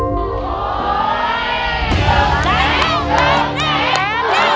หนึ่งล้านหนึ่งล้านหนึ่งล้าน